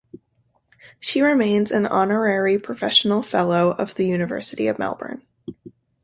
She remains an honorary professorial fellow of the University of Melbourne.